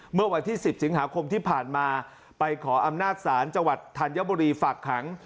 เมื่อวันที่๑๐สิงหาคมที่ผ่านมาไปขออำนาจศาลจังหวัดธัญบุรีฝากขัง